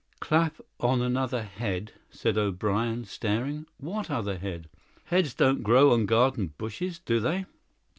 "Clap on another head!" said O'Brien staring. "What other head? Heads don't grow on garden bushes, do they?"